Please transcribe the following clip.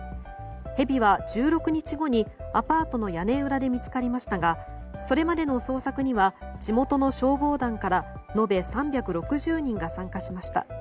ヘビは１６日後にアパートの屋根裏で見つかりましたがそれまでの捜索には地元の消防団から延べ３６０人が参加しました。